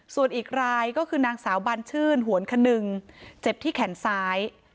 ส่วนอีกรายก็คือนางสาวบัญชื่นหวนคนึงเจ็บที่แขนซ้าย